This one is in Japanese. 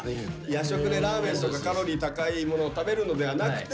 夜食でラーメンとかカロリー高いもの食べるのではなくて。